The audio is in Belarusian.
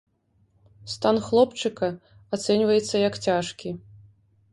Стан хлопчыка ацэньваецца як цяжкі.